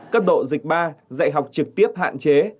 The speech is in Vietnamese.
cấp độ dịch ba dạy học trực tiếp hạn chế